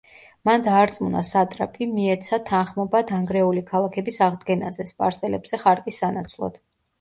მან დაარწმუნა სატრაპი მიეცა თანხმობა დანგრეული ქალაქების აღდგენაზე, სპარსელებზე ხარკის სანაცვლოდ.